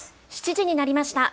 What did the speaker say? ７時になりました。